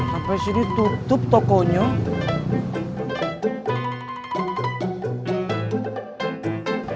suara dan tangan inggris